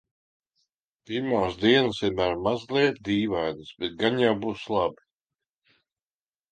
Pirmās dienas vienmēr mazliet dīvainas, bet gan jau būs labi.